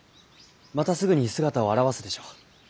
またすぐに姿を現すでしょう。